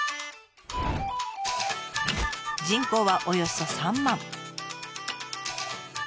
人口はおよそ３万。